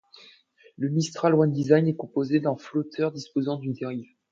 La Mistral One Design est composée d'un flotteur disposant d'une dérive.